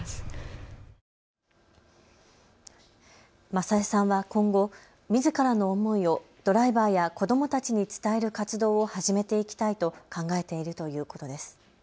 正恵さんは今後みずからの思いをドライバーや子どもたちに伝える活動を始めていきたいと考えているということです。